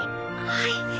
はい。